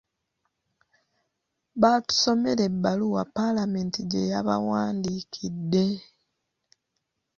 Baatusomera ebbaluwa palamenti gye yabawandiikidde.